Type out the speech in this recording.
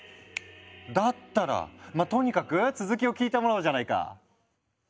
だったらまぁとにかく続きを聞いてもらおうじゃないか。